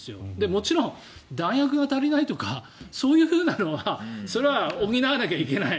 もちろん、弾薬が足りないとかそういうのはそれは補わなきゃいけない。